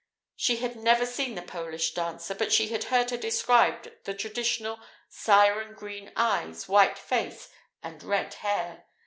She had never seen the Polish dancer, but she had heard her described: the traditional "siren green" eyes, white face, and red hair.